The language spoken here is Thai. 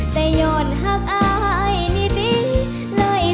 แต่ย้อนหักอายนิติเลยสังบ่ได้